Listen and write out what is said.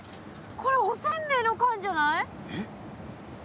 これおせんべいの缶じゃない？えっ？